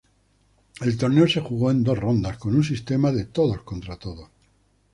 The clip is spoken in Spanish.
El torneo se jugó en dos rondas con un sistema de todos contra todos.